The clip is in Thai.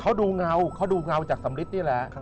เขาก็ดูเงาของดูเงาจากสัมฤติเฉยแหละ